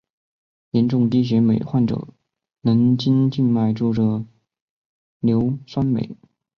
严重低血镁患者能经静脉注射硫酸镁。